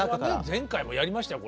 前回もやりましたよ